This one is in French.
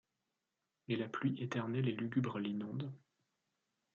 Et la pluie éternelle et lugubre l’inonde.